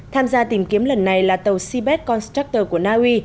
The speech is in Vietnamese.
tham gia tìm kiếm lần này là tàu seabed constructor của naui